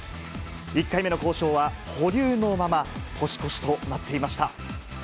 １回目の交渉は保留のまま、年越しとなっていました。